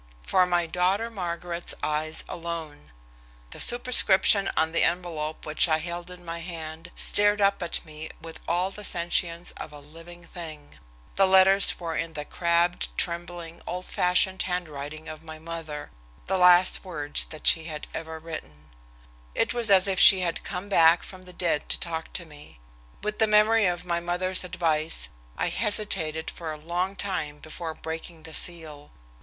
"For my daughter Margaret's eyes alone." The superscription on the envelope which I held in my hand stared up at me with all the sentience of a living thing. The letters were in the crabbed, trembling, old fashioned handwriting of my mother the last words that she had ever written. It was as if she had come back from the dead to talk to me. With the memory of my mother's advice, I hesitated for a long time before breaking the seal.